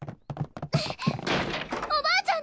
おばあちゃん